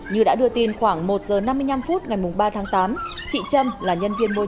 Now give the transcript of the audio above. như đã đưa tin khoảng một h năm mươi năm phút ngày ba tháng tám chị trâm là nhân viên bắt giữ